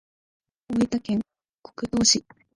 大分県国東市